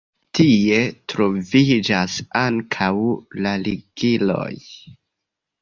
Tie troviĝas ankaŭ la ligiloj.